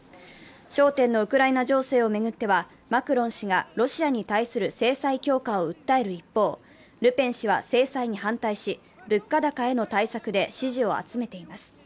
焦点のウクライナ情勢を巡っては、マクロン氏がロシアに対する制裁強化を訴える一方、ルペン氏は制裁に反対し物価高への対策で支持を集めています。